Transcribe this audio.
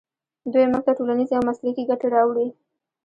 دوی موږ ته ټولنیزې او مسلکي ګټې راوړي.